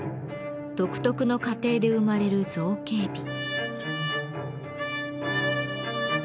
独特の過程で生まれる造形美。